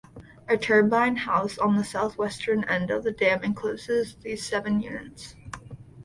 A turbine house, on the southwestern end of the dam, encloses these seven units.